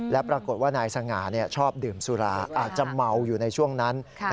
และปรากฏว่านายสง่าชอบดื่มสุราอาจจะเมาอยู่ในช่วงนั้น